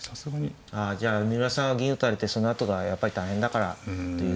あじゃあ三浦さんは銀打たれてそのあとがやっぱり大変だからっていうことで。